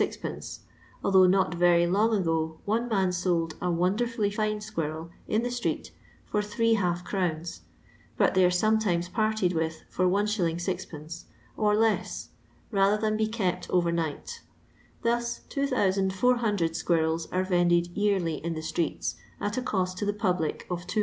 6d.f although not very long ago one man sold a "wonderfully fine squirrel" in the street for three half crowns, but they are sometimes parted with for Is. 6d. or less, rather than be kept over night Thus 2400 squirrels are vended yearly in the streets, at a cost to the public of 240